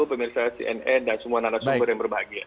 pemirsa cnn dan semua anak sumber yang berbahagia